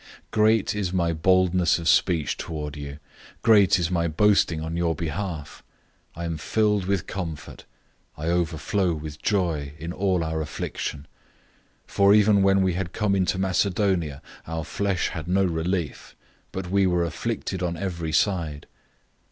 007:004 Great is my boldness of speech toward you. Great is my boasting on your behalf. I am filled with comfort. I overflow with joy in all our affliction. 007:005 For even when we had come into Macedonia, our flesh had no relief, but we were afflicted on every side.